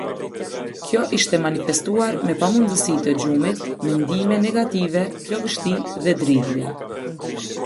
Kjo ishte manifestuar me pamundësi të gjumit, mendime negative, plogështi dhe dridhje.